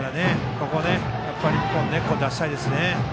ここで一本、出したいですね。